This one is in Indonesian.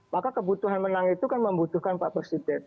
maka kebutuhan menang itu kan membutuhkan pak presiden